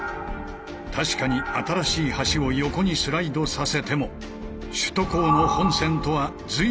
確かに新しい橋を横にスライドさせても首都高の本線とは随分離れている。